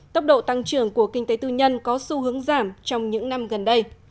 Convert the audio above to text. tốc độ tăng trưởng của kinh tế tư nhân có xu hướng giảm trong những năm gần đây